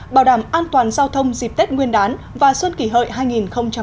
bảo đảm an toàn giao thông dịp tết nguyên đán và xuân kỷ hợi hai nghìn một mươi chín